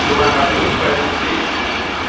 তোমার হাতে উপায় থাকবেই।